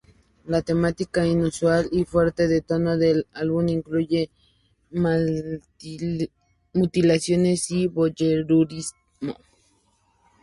La temática inusual y fuera de tono del álbum incluye mutilaciones y voyeurismo.